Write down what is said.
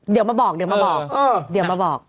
เดี๋ยวก็มาบอก